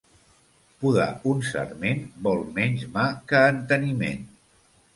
Podar un sarment vol menys mà que enteniment.